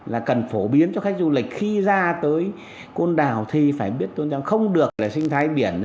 là cần phổ biến cho khách du lịch khi ra tới côn đảo thì phải biết tôn giáo không được là sinh thái biển